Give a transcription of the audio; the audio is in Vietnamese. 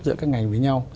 giữa các ngành với nhau